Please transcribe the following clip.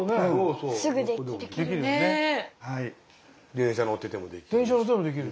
電車乗っててもできる。